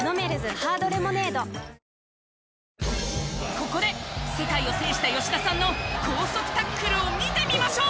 ここで世界を制した吉田さんの高速タックルを見てみましょう！